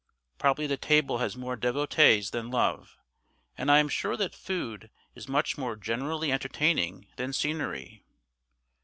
Probably the table has more devotees than love; and I am sure that food is much more generally entertaining than scenery.